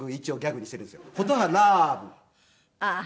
ああ。